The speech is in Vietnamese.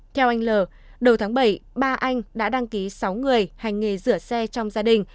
theo anh l đầu tháng bảy ba anh đã đăng ký sáu người hành nghề rửa xe trong gia đình